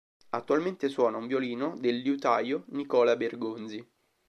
Attualmente suona un violino del liutaio Nicola Bergonzi.